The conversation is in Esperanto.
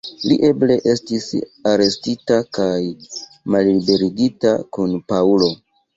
Li eble estis arestita kaj malliberigita kun Paŭlo.